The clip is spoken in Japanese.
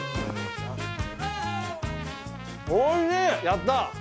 やったー！